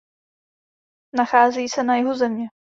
Nachází se na jihu země.